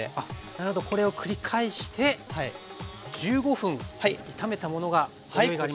なるほどこれを繰り返して１５分炒めたものがご用意があります。